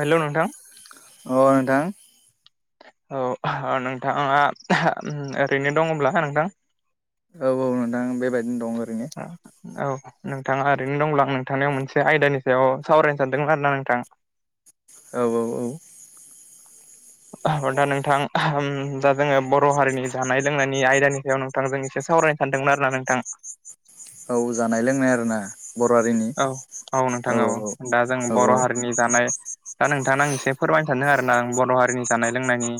Hello नोंथां अ नोंथां औ ओ नोंथाङा ओरैनो दंब्ला नोंथां? औ औ नोंथां बेबायदिनो दं। ओरैनो ओ औ। नोंथाङा ओरैनो दंब्ला आं नोंथांनियाव मोनसे आयदानि सायाव सावरायनो सानदोंमोन आरोना नोंथां। औ औ औ। दा नोंथां दा जोङो बर' हारिनि जानाय लोंनायनि आयदानि बेयाव नोंथांजों एसे सावरायनो सानदोंमोन आरोना नोंथां। औ जानाय लोंनाय आरो ना? औ औ नोंथां औ दा जों औ बर' हारिनि जानाय दा नोंथांनो आं एसे फोरमायनो सानदों आर ना आं बर' हारिनि जानाय लोंनायनि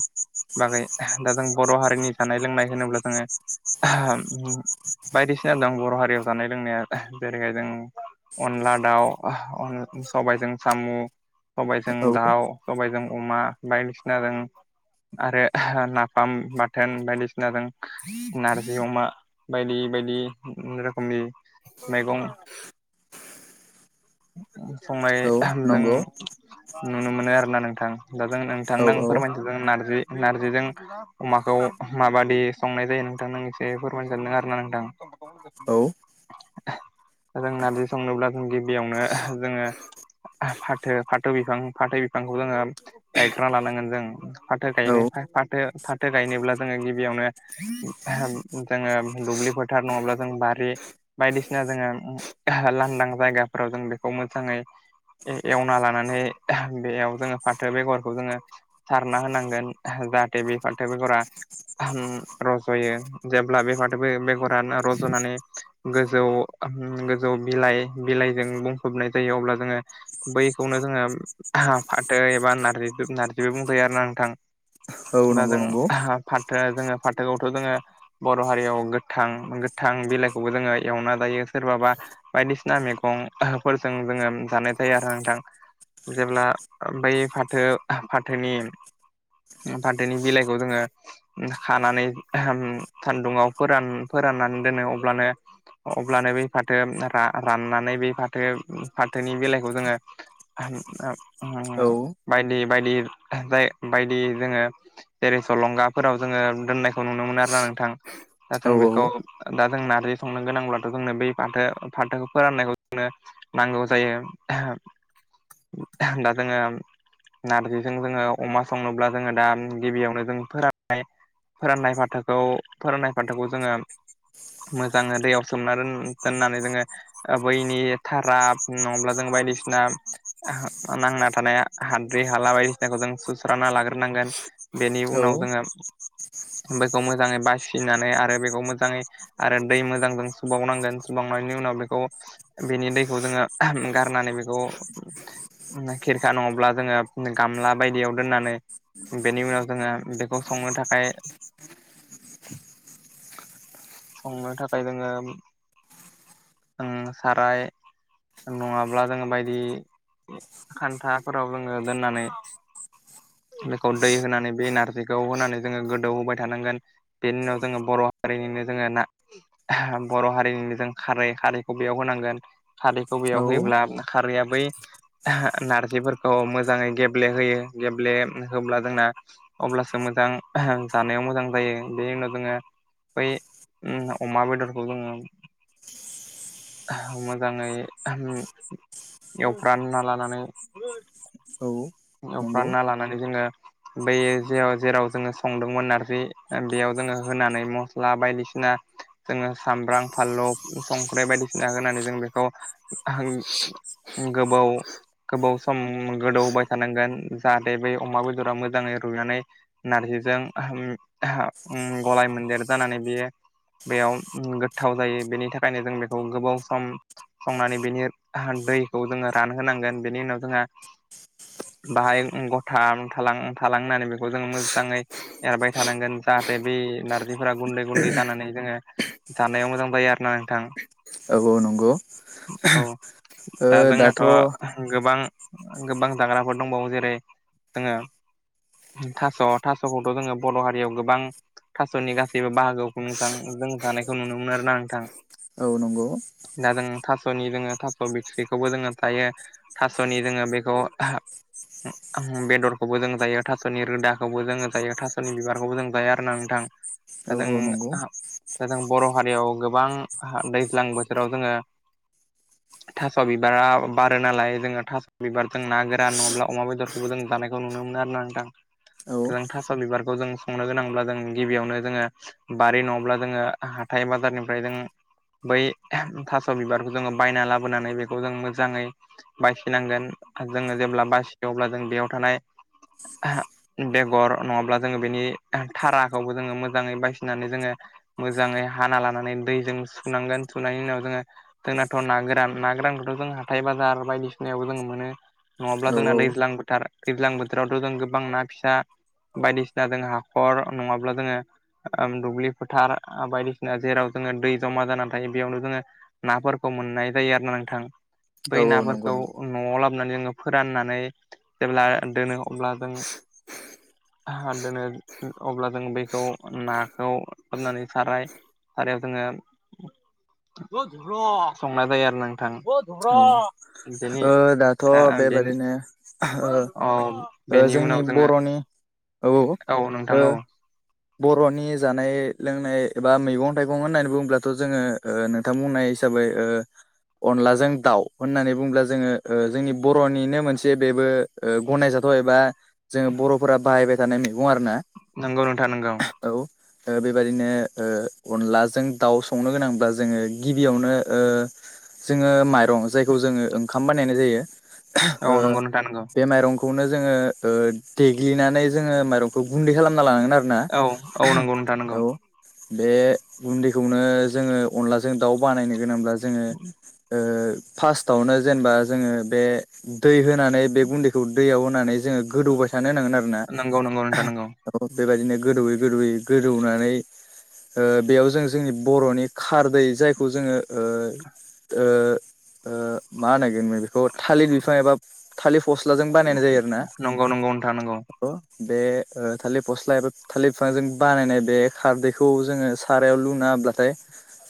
बागै दा जों बर' हारिनि जानाय लोंनाय होनोब्ला जोङो बायदिसिना दं बर' हारियाव जानाय लोंनाया जेरैहाय जों अनला दाउ अह अन सबायजों सामु सबायजों औ दाउ सबयजों अमा बायदिसिनाजों आरो नाफाम बाथोन बायदिसिनाजों नारजि अमा बायदि बायदि रोखोमनि मैगं संनाय औ जों नंगौ। नुनो मोनो आरो ना नोंथां। दा जों औ नोंथांनो आं औ फोरमायनोस ज नारजि नार्जिजों अमाखौ माबादि संनाय जायो नोंथांनो एसे फोरमायनो सानदों आरोना नोंथां। औ जों नारजि संनोब्ला जों गिबियावनो जोङो फाथो फाथो बिफां फाथो बिफांखौ जोङो गायखाना लानांगोन जों फाथो औ गायनो फाथो फाथो गायनोब्ला जोङो गिबियावनो जोङो दुब्लि फोथार नङाब्ला जों बारि बायदिसिना जोङो उम लांदां जायगाफोराव जों बेखौ मोजाङै एव एवना लानानै बेयाव जोङो फाथो बेगरखौ जोङो सारना होनांगोन जाहाथे बे फाथो बेगरा ओम रज'यो जेब्ला बेबाथो बेगराानो रज'नानै गोजौ ओम गो जौ बिलाइ बिलाइजों बुंफबनाय जायो अब्ला जोङो बैखौनो जोङो फाथो जायोबा नार्जिदो नार्जिबो बुंजायो आरोना नोंथां। दा नंगौ जों नंगौ फान थोआ जोङो फाथोआवथ' जोङो बर' हारियाव गोथां गोथां बिलाइखौबो जोङो एवना जायो। सोरबाबा बायदिसिना मैगं फोरजों जोङो जानाय थायो आरो नोंथां। जेब्ला बै फाथो फाथोनि फाथोनि बिलाइखौ जोङो खानानै सान्दुङाव फोरान फोर फोराननानै दोनो अब्लानो अब्लानो बै फा थो रा राननानै बे फाथो फाथोनि बेलाइखौ जोङो [unintelligible] ओ औ बायदि बायदि जाय बायदि जोङो जेरै सलंगाफोराव जोङो दोननायखौ नुनो मोनो आरोना नोंथां। दा औ जों बेखौ दा जों नारजि संनो गोनांब्लाथ' जोंनो बै फाथो फाथोखौ फोराननायखौ जोंनो नांगौ जायो। दा जोङो नारजिजों जोङो अमा संनोब्ला जोङो दा गिबियावनो जों फोरानबाय। फोराननाय फाथाखौ फोराननाय फाथाखौ जोङो मोजाङै दैयाव सोमना दोन दोननानै जोङो ओ बैनि थारा नङाब्ला जों बायदिसिना [unintelligible] ना थानाया हाद्रि हाला बायदिसिनाखौ जों सुस्रांना लाग्रोनांगोन। बेनि औ उनाव जोङो बेखौ मोजाङै बासिनानै आरो बेखौ मोजाङै आरो दै मोजांजों सुबावनांगोन। सुबांनायनि उनाव बेखौ बेनि दैखौ जोङो गारनानै बेखौ खिरखा नङाब्ला जोङो गामला बायदियाव दोननानै बेनि उनाव जोङो बेखौ संनो थाखाय संनो थाखाय जोङो ओं साराय नङाब्ला जोङो बायदि खान्थाफोराव जोङो दोननानै [inaudible] बेखौ दै होनानै बे नारजिखौ होनानै जोङो गोदौ होबाय थानांगोन बेनि उनाव जोङो बर' हारिनि जोङो ना बर' हारि [unintelligible] खारै खारैखौ बेयाव होनांगोन खारैखौ बेयाव होयोब्ला खारैया बै नारजिफोरखौ मोजाङै गेब्लेहोयो गेब्ले होब्ला जोंना अब्लासो मोजां जानायाव मोजां जायो बेनि उनाव जोङो बै उम अमा बेदरखौ जोङो मोजाङै एवफ्रामना लानानै नंगौ एवफ्रामना लानानै जोङो बैयो जेराव जेराव जोङो संदोंमोन नारजि बेयाव जोङो होनानै मस्ला बायदिसिना जोङो सामब्राम फानलु संख्रि बायदिसिना होनानै जों बेखौ गोबाव गोबाव सम गोदोवबाय थानांगोन जाहाथे बै अमा बेदरा मोजाङै रुइनानै नारजिजों ओम गलाय मोनदेर जानानै बियो बेयाव गोथाव जायो बेनि थाखायनो जों बेखौ गोबाव सम संनानै बेनि हान दैखौ जोङो रानहोनांगोन बेनि उनाव जोंहा बाहाय ओम गथा थालां थालांनानै बेखौ जोंङो मोजाङै एरबाय थानांगोन जा दा बै नारजिफोरा गुन्दै गुन्दै जानानै जोङो जानायाव मोजां जायो आरो ना नोंथां। औ औ नंगौ। औ ओ दा दाथ' जोंनाथ' औ गोबां गोबां जाग्राफोर दंबावो जेरै जोङो थास' थास'खौथ' जोङो बर' हारियाव गोबां थास'नि गासैबो बाहागोआवखौ नोंथां जों जानायखौ नुनो मोनो आरोना नोंथां नंगौ। सिना जों थास'नि जोङो थास' बिथ'रिखौबो जोङो जायो थास'नि जोङो बेखौ [unintelligible] बेदरखौबो जों जायो थास'नि रोदाखौबो जोङो जायो, थास'नि बिबारखौबो जों जायो आरोना नोंथां। दा औ औ नंगौ। जों दा जों बर' हारियाव गोबां दैज्लां हो बोथोराव जोङो थास' बिबारा बारो नालाय जोंङो थास' बिबार जों ना गोरान नङाब्ला अमा बेदरखौबो जों जानायखौ नुनो मोनो आरोना नोंथां। औ जों थास' बिबारखौ जों संनो गोनांब्ला जों गिबियावनो जोङो बारि नङाब्ला जोङो हाथाय हाथाइ बाजारनिफ्राय जों बै था थास' बिबारखौ जोङो बायना लाबोनानै बेखौ जों मोजाङै बसिनांगोन जोङो जेब्ला बासियो अब्ला जों बेयाव थानाय बेगर नङाब्ला जोङो बेनि थाराखौबो जोङो मोजाङै बासिनानै जोङो मोजाङै हाना लानानै दैजों सुनांगोन सुनायनि उनाव जोङो जोंनाथ' ना गोरान ना गोरान [unintelligible] जों हाथाय बाजार बायदिसिनायावबो जोङो मोनो नङाब्ला औ जोंना दैज्लां बोथोर दैज्लां बोथोरावथ' जों गोबां ना फिसा बायदिसिना जों हाखर नङाब्ला जोङो ओ दुब्लि फोथार बायदिसिना जेराव जोङो दै जमा जानानै थायो बेयावनो जोङो नाफोरखौ मोननाय जायो आरो ना नोंथां। बै औ नंगौ नाफोरखौ नंगौ न'आव लाब नानै जोङो फोराननानै जेब्ला दोनो अब्ला जों [unintelligible] दोनो अब्ला जों बैखौ नाखौ सुनानै साराय आरो जोङो [unintelligible] संनाय जायो आरो नोंथां। औ बेनि ओ दाथ' ओ बेनि बेबादिनो औ [unintelligible] ओ बेनि उनाव जोंनि जोङो बर'नि औ नोंथां ओ औ। बर'नि जानाय लोंनाय एबा मैगं'थाइगं'होननानै बुङोब्लाथ' जोङो नोंथां बुंनाय हिसाबै ओ अनलाजों दाउ होननानै बुङोब्ला जोङो ओ जोंनि बर'निनो मोनसे बेबो ओ गनायजाथाव थ एबा जोङो बर'फोरा बाहायबाय थानाय मैगं आरोना। नंगौ नोंथां नोंगौ। औ ओ बेबादिनो ओ अनलाजों दाउ संनो गोनांब्ला जोङो गिबियावनो ओ जोङो माइरं जायखौ जोङो ओंखाम बानायनाय जायो [unintelligible] औ ओ नंगौ नोंथां नंगौ बे माइरं खौ नों नो जोङो देग्लिनानै जोङो माइरं'खौ गुन्दै खालामना लानांगोन आरो ना। औ औ नंगौ नोंथां नंगौ। बे गुन्दैखौनो जोङो अनलाजों दाउ बानायनो गोनांब्ला जोङो ओ फास्तावनो जेनेबा जोङो बे दै हो नानै बे गुन्दैखौ दैयाव होनानै जोङो गोदौबाय थानो होनांगोन आरोना नंगौ नंगौ नोंथां नंगौ ओह अ बेबायदिनो गोदौयै गोदौयै गोदौनानै ओ बेयाव जों जोंनि बर'नि खारदै जायखौ जोङो ओ ओ ओ मा होनो बेखौ थालिर बिफां एबा थालिर फस्लाजों बानायनाय जायो आरोना अ बे ओ थालिर फस्ला एबा थालिर बिफांजों बानायनाय बे खारदैखौ जोङो सारायाव लुना हाब्लाथाय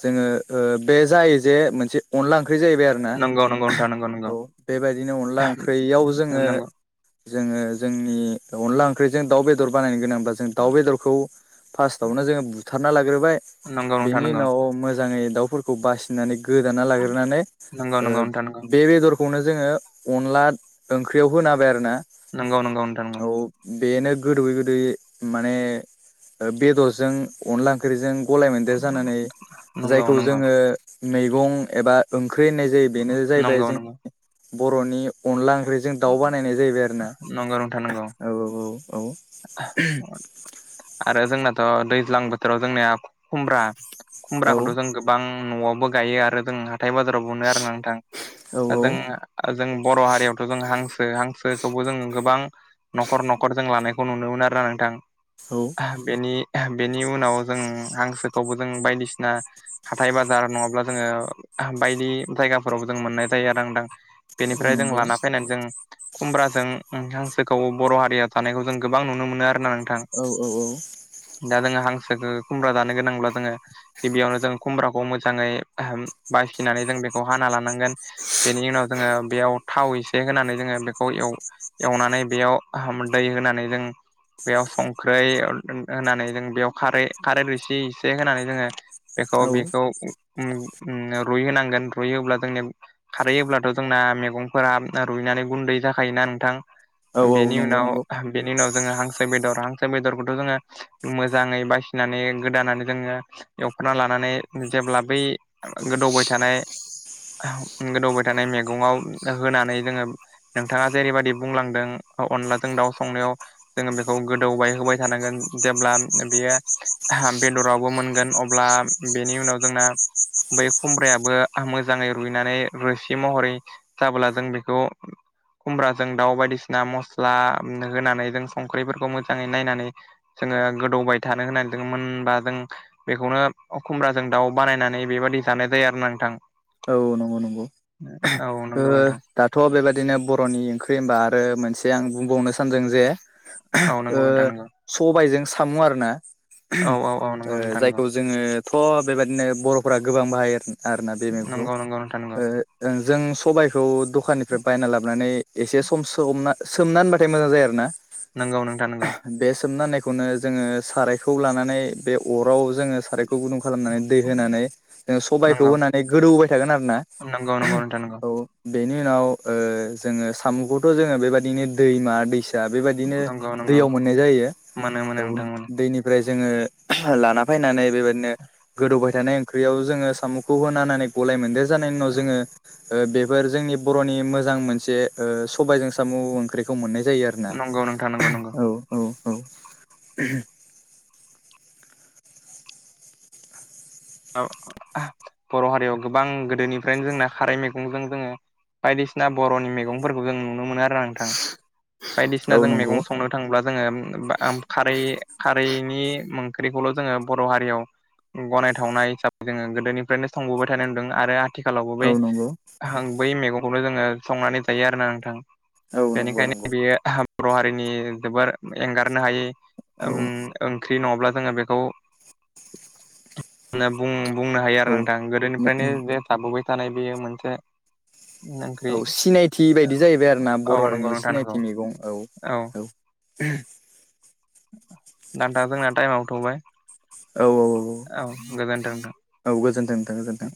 जोङो ओ बे जायो जे मोनसे अनला ओं ख्रि जाहैबाय आरोना नंगौ नंगौ नोंथां नंगौ औ बेबायदिनो अनला ओंख्रियाव जोङो जोङो जोंनि अनला ओंख्रिजों दाउ, बेदर बानायनो गोनांब्लाा जों दाउ, बेदरखौ फार्स्टआवनो जोङो बुथारना लाग्रोबाय नंगौ नंगौ नोंथां बेनि नंगौ उनाव मोजाङै दाउफोरखौ बासिनानै गोदाना लाग्रोनानै नंगौ ओ बे बेदर खौनो जोङो अनलाद ओंख्रियाव होना हाबाय आरोना नंंगौ नोंथां नंगौ औ बेनो गोदौयै गोदैयै माने बेदरजों अनला ओंख्रिजों गलाय मोनदेर जानानै नंगौ जायखौ नंगौ नोंथां जोङो मैगं एबा ओंख्रि होननाय जायो बेनो नंगौ नोंथां नंगौ जाहैबाय जों बर'नि अनला ओख्रि जों दाउ बानायनाय जाहैबाय आरोना नंगौ नोंथां नंगौ औ औ औ औ आरो जोंनाथ' दैज्लां बोथोराव जोंनिया खुमब्रा औ खुमब्राखौथ' जों गोबां न'आवबो गायो आरो जों हाथाय बाजारावबो मोनो आरो नोंथां दा औ जों जों बर' हारियावथ' जों हांसो हांसो जोङो गोबां न'खर न'खर जों लानायखौ नुनो मोनो आरोना नोंथां औ बेनि बेनि उनाव जों हांसोखौबो जों बायदिसिना हाथाय-बाजार नङाब्ला जोङो बायदि जायगाफोराव जों मोननाय जायो रांदां औ बेनिफ्राय जों नंगौ लाना फैनानै जों खुमब्राजों हांसोखौ बर' हारिया थानायखौ जों गोबां नुनो मोनो आरो नोंथां औ दा जों हा सोखो खुम्ब्रा जानो गोनांब्ला जोङो गिबियावनो जों खुमब्राखौ मोजाङै अहम बासिनानै जों बेखौ हाना लानांगोन बेनि उनाव जोङो बेयाव थाव एसे होनानै जोङो बे खौ एव-एवनानै बेयाव दै होनानै जों बेयाव संख्रै होनानै जों बेयाव खारै खारै रसे एसे होनानै जोङो बेखौ औ बेखौ उम रुइ होनांगोन रुइयोब्ला जोंनि खारै हब्लाथ' जोंना मैगंफोरा रुइनानै गुन्दै हायोना नोंथां औ औ बेनि नंगौ उनाव नंगौ बेनि उनाव जो हांसो बेदर हांसो बेदरखौथ' जोङो मोजाङै बासिनानै गोदानानै जोङो एव खाना लानानै जेब्ला बै गोदौबाय थानाय गोदौबाय थानाय मैगंङाव होनानै जोङो नोंथाङा जेरैबायदि बुंलांदों अनलाजों दाउ संनायाव जोङो बेखौ गोदौबाय होबाय थानांगोन जेब्ला बेयो बेदरावबो मोनगोन अब्ला बेनि उनाव जोंना बै खुमब्रायाबो मोजाङै रुइनानै रोसि महरै जाबोला जों बेखौ खुमब्राजों दाउ बायदिसिना मस्ला उम होनानै जों संख्रिफोरखौ मोजाङै नायनानै जोङो गोदौबाय थानो होननानै जो मोनबा जों बेखौनो खुमबाजों दाउ बानायनानै बेबाय जानाय जायो आरो नोंथां औ नंगौ नंगौ औ ओ नंगौ नोंथां दाथ' बेबायदि बिदिनो बर'नि ओंख्रि होनबा आरो मोनसे आं बुंबावनो सानदों जे औ नंगौ ओ नोंथां नंगौ सबायजों साम' आरो ना औ औ औ नंगौ नोंथां नंगौ जायखौ जोङो थ' बेबायदिनो बर'फोरा गोबां बाहायो आरोना बे मैगंखौ नंगौ नंगौ नोंथां नंगौ ओ जों जों सबायखौ दखाननिफ्राय बायना लाबोनानै एसे सम सोमना सोमना होनबाथाय मोजां जायो आरोना नंगौ नोंथा नोंगौ खौनो जोङो सारायखौ लानानै बे अराव जोङो सारायखौ गुदुं खालामनानै दै होनानै जों सबाय खौ नंगौ होनानै गोदौबाय थागोन आरोना नंगौ नंगौ नोंथां नंगौ औ बेनि उनाव ओ जोङो साम'खौथ' जोङो बेबायदिनो दैमा दैस दा बेबायदिनो नंगौ नंगौ दैयाव मोननाय मोनो मोनो जायो नोंथां मोनो दैनिफ्राय जोङो लाना फैनानै बेबायदिनो गोदौबाय थानाय ओंख्रियाव जोङो साम'खौ होननानै गलाय मोनदेर जानायनि उनाव जोङो बेफोर जोंनि बर'नि मोजां मोनसे सबायजों साम' ओंख्रिखौ मोननाय नंगौ जायो नोंथां नंगौ नंगौ आरोना औ औ औ। बर' हारियाव गोबां गोदोनिफ्रायनो जोंना खारै मैगंजों जोङो बायदिसिना बर'नि मैगंफोरखौ जों नुनो मोनो आरोना नोंथां। बायदिसिना औ जों नंगौ मैगं संनो थाङोब्ला जोङो खारै खारैनि ओंख्रिखौल' जोङो बर' हारियाव गनायथावनाय हिसाबै जोङो गोदोनिफ्रायनो संबोबाय थानाय नुदों आरो आथिखालावबो बै औ नंगौ बै मैगंखौनो जोङो संनानै जायो आरोना नोंथां औ नंगौ बेनिखायनो नंगौ बेयो बर' हारिनि जोबोर एंगारनो हायै औ ओम ओंख्रि नङाब्ला जोङो बेखौ ना बुं बुंनो हायो आरो औ नोंथां गोदोनिफ्रायनो जे थाबोबाय थानाय बेयो मोनसे ओंख्रि औ सिनायथि बायदि जाहैबाय आरोना औ बर' नंगौ हारिनि नोंथां नंगौ सिनायथि मैगं औ औ। उह दान्था जोंना टाइमाव थ'बाय। औ औ औ औ औ गोजोन्थों नोंथां गोजोन्थों।